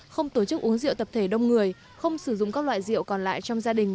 không tổ chức uống rượu tập thể đông người không sử dụng các loại rượu còn lại trong gia đình